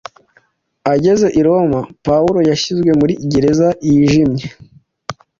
Ageze i Roma, Pawulo yashyizwe muri gereza yijimye,